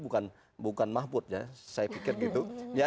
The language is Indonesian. bukan mahput saya pikir gitu